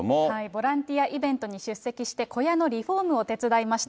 ボランティアイベントに出席して小屋のリフォームを手伝いました。